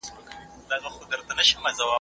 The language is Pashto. با ادبه با نصیبه.